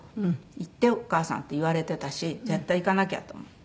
「行ってお母さん」って言われてたし絶対行かなきゃと思って。